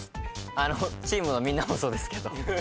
チームのみんなもそうですけど緊張してます。